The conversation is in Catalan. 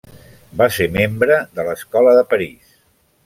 Va ser membre de l'Escola de París.